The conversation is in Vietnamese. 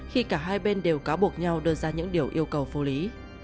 khi cả hai bên đều cáo buộc nhau đưa ra những điều yêu cầu phù lý